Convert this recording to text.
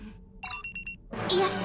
よし！